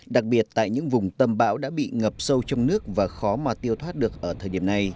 đặc biệt tại những vùng tâm bão đã bị ngập sâu trong nước và khó mà tiêu thoát được ở thời điểm này